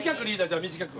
じゃあ短く。